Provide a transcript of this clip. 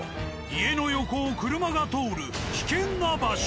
家の横を車が通る危険な場所。